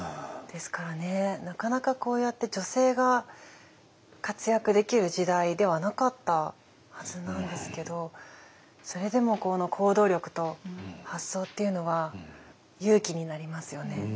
なかなかこうやって女性が活躍できる時代ではなかったはずなんですけどそれでもこの行動力と発想というのは勇気になりますよね。